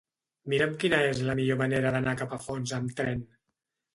Mira'm quina és la millor manera d'anar a Capafonts amb tren.